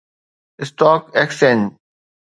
stock exchange